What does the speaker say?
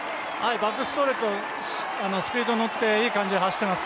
バックストレート、スピードに乗って、いい感じで走っています。